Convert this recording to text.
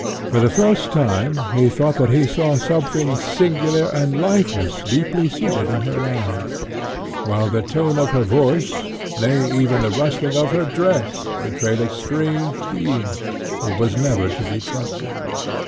For the first time he thought that he saw something singular and lifeless deeply seated in her eyes, while the tone of her voice, nay even the rustling of her dress, betrayed a strange being, who was never to be trusted.